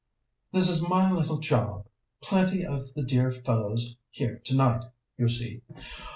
"This is my little job plenty of the dear fellows here tonight, you see.